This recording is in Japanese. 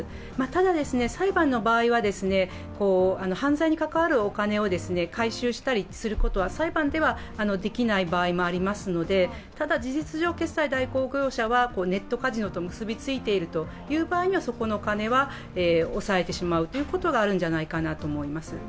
ただ、裁判の場合は、犯罪に関わるお金を回収したりすることはできない場合もありますので、ただ、事実上、決済代行業者はネットカジノと結び付いている場合はそこのお金は押さえてしまうということがあるのではないかなと思います。